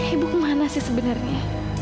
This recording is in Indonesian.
ibu kemana sih sebenernya